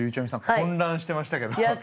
混乱してましたけど。